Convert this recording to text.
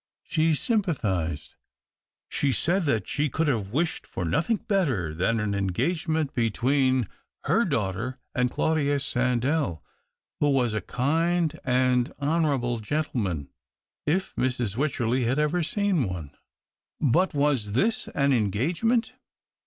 She sympathized. She said that she could have wished for nothing better than an engagement between her daughter 268 THE OCTAVE OF CLAUDIUS. and Claudius Sandell — who was a kind and honourable gentleman, if Mrs. Wycherley had ever seen one. But was this an engagement